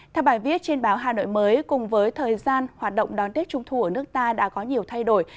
theo bài viết trên báo hà nội mới cùng với thời gian hoạt động đón tết trung thu ở nước ta đã có nhiều thay đổi